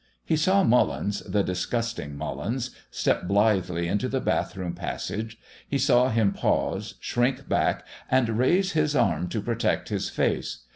He saw Mullins, the disgusting Mullins, step blithely into the bathroom passage; he saw him pause, shrink back, and raise his arm to protect his face.